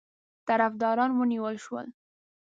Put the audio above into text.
طرفداران ونیول شول.